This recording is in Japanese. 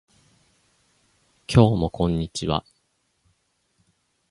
今日もこんにちは